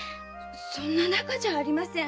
そんな仲じゃありません。